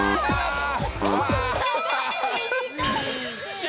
うわ！